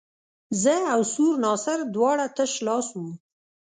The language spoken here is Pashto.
زه او سور ناصر دواړه تش لاس وو.